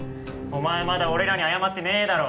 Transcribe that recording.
お前まだ俺らに謝ってねえだろ。